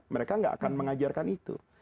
mereka nggak akan mengajarkan itu